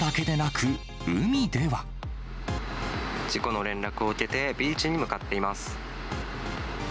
事故の連絡を受けて、ビーチに向かっています。